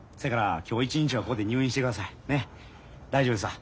大丈夫ですわ。